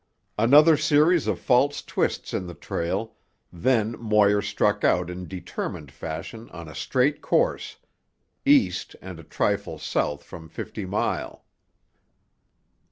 Another series of false twists in the trail, then Moir struck out in determined fashion on a straight course, east and a trifle south from Fifty Mile.